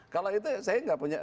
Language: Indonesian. kalau itu saya nggak punya